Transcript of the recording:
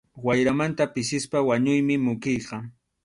Wayramanta pisispa wañuymi mukiyqa.